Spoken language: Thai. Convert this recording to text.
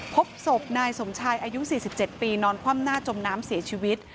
พบศพนายสมชายอายุ๔๗ปีนอนคว่ำหน้าจมน้ำเสียชีวิต